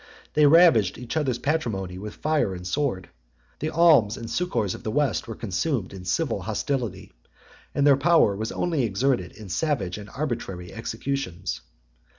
They ravaged each other's patrimony with fire and sword: the alms and succors of the West were consumed in civil hostility; and their power was only exerted in savage and arbitrary executions.